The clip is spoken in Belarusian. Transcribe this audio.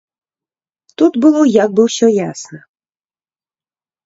Тут было як бы ўсё ясна.